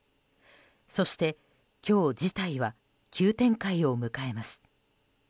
そして、今日事態は急展開を迎えます。